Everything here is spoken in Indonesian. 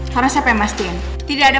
karena saya pemastiin tidak ada